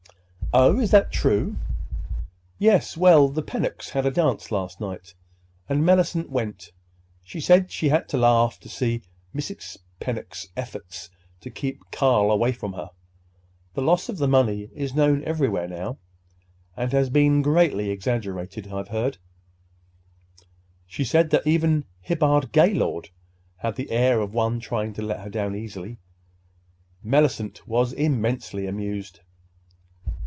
"Oh, is that true?" "Yes. Well, the Pennocks had a dance last night, and Mellicent went. She said she had to laugh to see Mrs. Pennock's efforts to keep Carl away from her—the loss of the money is known everywhere now, and has been greatly exaggerated, I've heard. She said that even Hibbard Gaylord had the air of one trying to let her down easy. Mellicent was immensely amused."